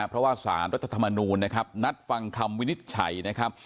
เพราะว่าสารรัฐธรรมนูลนะครับนัดฟังคำวินิจฉัยนะครับ